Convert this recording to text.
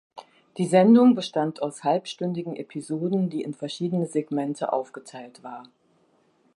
Die Sendung bestand aus halbstündigen Episoden, die in verschiedene Segmente aufgeteilt war.